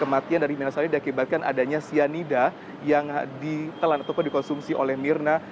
kematian dari mirna salih diakibatkan adanya cyanida yang ditelan ataupun dikonsumsi oleh mirna